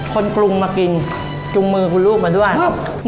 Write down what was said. กรุงมากินจุงมือคุณลูกมาด้วยครับ